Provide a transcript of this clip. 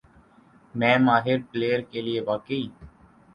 میں ماہر پلئیر کے لیے واقعی